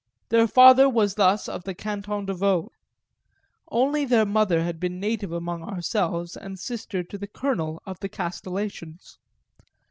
Their father was thus of the Canton de Vaud only their mother had been native among ourselves and sister to the Colonel of the castellations.